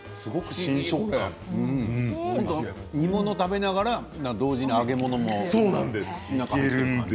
新食感、煮物を食べながら同時に揚げ物も。